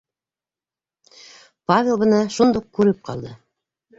Павел быны шундуҡ күреп ҡалды: